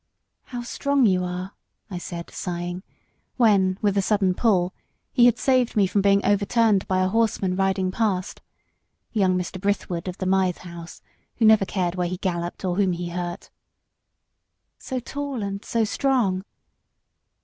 "How strong you are!" said I, sighing, when, with a sudden pull, he had saved me from being overturned by a horseman riding past young Mr. Brithwood of the Mythe House, who never cared where he galloped or whom he hurt "So tall and so strong."